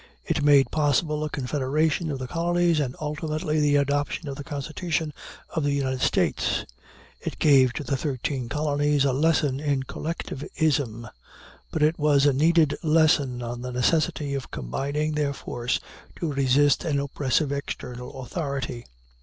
It made possible a confederation of the colonies, and, ultimately, the adoption of the Constitution of the United States. It gave to the thirteen colonies a lesson in collectivism, but it was a needed lesson on the necessity of combining their forces to resist an oppressive external authority.